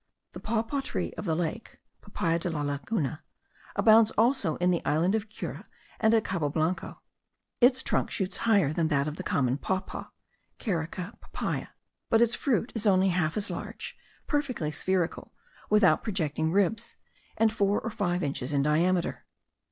The papaw tree of the lake (papaya de la laguna) abounds also in the island of Cura and at Cabo Blanco; its trunk shoots higher than that of the common papaw (Carica papaya), but its fruit is only half as large, perfectly spherical, without projecting ribs, and four or five inches in diameter.